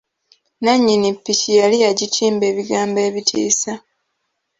Nannyini ppiki yali yagitimba ebigambo ebitiisa.